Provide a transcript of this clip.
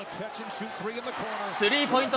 スリーポイント